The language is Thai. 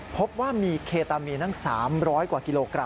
พบว่ามีเคตามีนทั้ง๓๐๐กว่ากิโลกรั